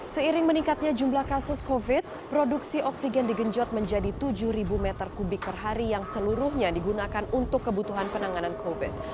seiring meningkatnya jumlah kasus covid produksi oksigen digenjot menjadi tujuh meter kubik per hari yang seluruhnya digunakan untuk kebutuhan penanganan covid